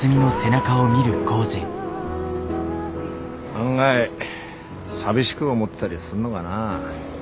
案外寂しく思ってたりすんのがな。